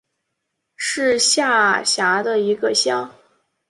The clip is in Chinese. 是下辖的一个乡。